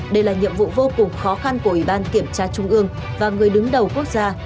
đây là nhiệm vụ vô cùng khó khăn của ủy ban kiểm tra trung ương và người đứng đầu quốc gia